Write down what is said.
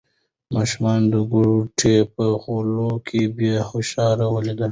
ماشوم د کوټې په غولي کې بې هوښه ولوېد.